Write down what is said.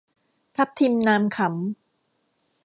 ทับทิม นามขำ